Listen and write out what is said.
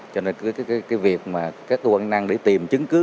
cho nên cái việc mà các tù quân anh năng để tìm chứng cứ